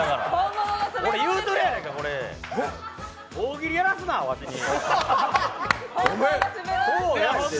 俺、言うとるやないか、大喜利やらすな、わしに。